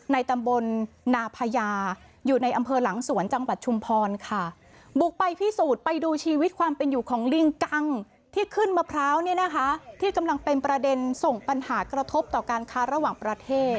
ในตำบลนาพยาอยู่ในอำเฟอร์หลังสวนจังหวัดชุมพรค่ะ